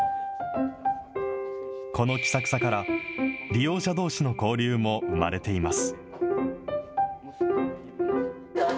この気さくさから、利用者どうしの交流も生まれています。